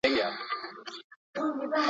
زه بايد پاکوالی وکړم؟!